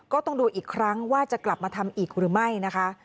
ก็ต้องดูอีกครั้งว่าจะกลับมาทำอีกหรือไม่นะคะ